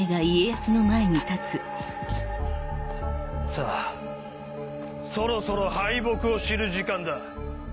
さぁそろそろ敗北を知る時間だ。